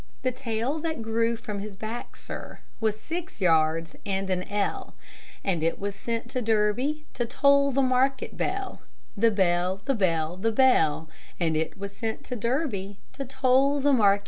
The tail that grew from his back, sir, was six yards and an ell; And it was sent to Derby to toll the market bell; The bell, the bell, the bell; And it was sent to Derby to toll the market bell.